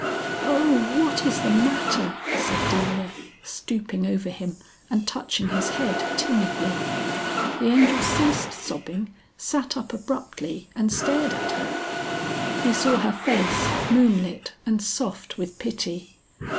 "Oh! what is the matter?" said Delia, stooping over him and touching his head timidly. The Angel ceased sobbing, sat up abruptly, and stared at her. He saw her face, moonlit, and soft with pity.